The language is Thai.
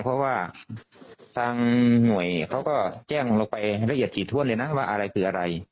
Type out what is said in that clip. เพราะว่าทางหน่วยเขาก็แจ้งลงไปละเอียดถี่ถ้วนเลยนะว่าอะไรคืออะไร